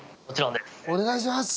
お願いします。